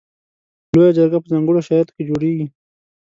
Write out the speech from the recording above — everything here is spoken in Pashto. لویه جرګه په ځانګړو شرایطو کې جوړیږي.